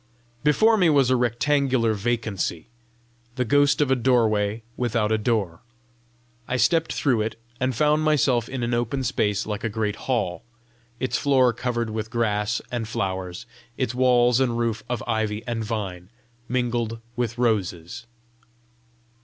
Before me was a rectangular vacancy the ghost of a doorway without a door: I stepped through it, and found myself in an open space like a great hall, its floor covered with grass and flowers, its walls and roof of ivy and vine, mingled with roses.